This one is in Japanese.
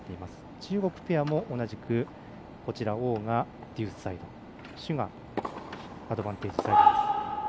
中国ペアも同じく王がデュースサイド朱がアドバンテージサイドです。